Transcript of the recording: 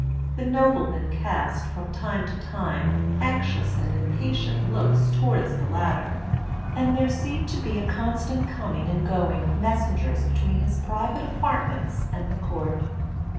The nobleman cast, from time to time, anxious and impatient looks towards the latter; and there seemed to be a constant coming and going of messengers between his private apartments and the court.